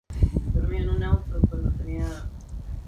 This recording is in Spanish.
Gabo recibió una educación científica.